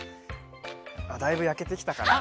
あっだいぶやけてきたかな。